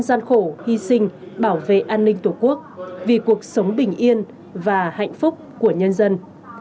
gian khổ hy sinh bảo vệ an ninh tổ quốc vì cuộc sống bình yên và hạnh phúc của nhân dân